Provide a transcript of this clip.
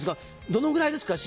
どのぐらいですか？